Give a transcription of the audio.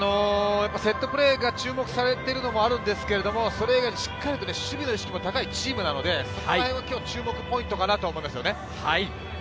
セットプレーが注目されているのもあるんですけれど、それ以外もしっかりと守備の意識も高いチームなのでそこら辺も注目ポイントかなと思います。